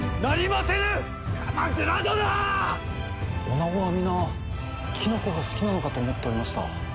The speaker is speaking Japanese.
女子は皆きのこが好きなのかと思っておりました。